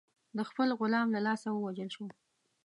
د خپل غلام له لاسه ووژل شو.